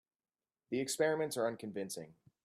The experiments are unconvincing.